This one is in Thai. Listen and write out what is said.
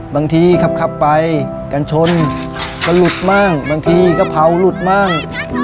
บางทีขับไปกันชนก็หลุดมากบางทีก็เผาหลุดมาก